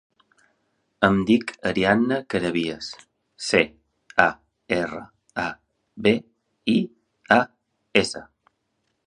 Em dic Ariadna Carabias: ce, a, erra, a, be, i, a, essa.